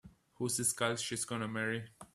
Who's this gal she's gonna marry?